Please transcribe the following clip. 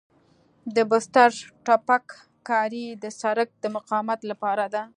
د بستر تپک کاري د سرک د مقاومت لپاره ده